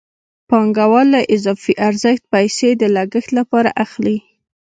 پانګوال له اضافي ارزښت پیسې د لګښت لپاره اخلي